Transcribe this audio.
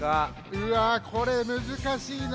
うわこれむずかしいな。